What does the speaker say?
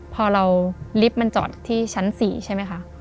พอเราลิฟต์มันจอดที่ชั้น๔ใช่ไหมคะ